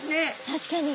確かに。